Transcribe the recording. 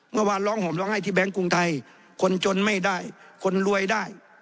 เมื่อวานร้องห่มร้องไห้ที่แบงค์กรุงไทยคนจนไม่ได้คนรวยได้